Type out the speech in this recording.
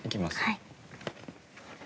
はい。